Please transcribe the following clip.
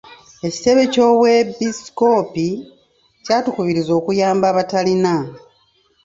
Ekitebe ky'obwebisikoopi kyatukubiriza okuyamba abatalina.